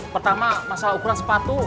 pertama masalah ukuran sepatu